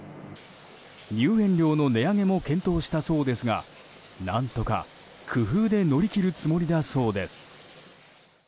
入園料の値上げも検討したそうですが何とか工夫で乗り切るつもりだそうです。